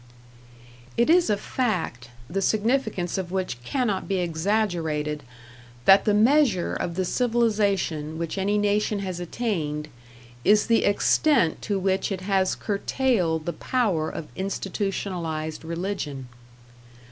It is a fact, the significance of which cannot be exaggerated, that the measure of the civilization which any nation has attained is the extent to which it has curtailed the power of institutionalized religion.